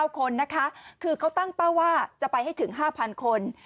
๙คนนะคะคือเขาตั้งเป้าว่าจะไปให้ถึง๕๐๐คน